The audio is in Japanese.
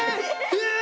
え！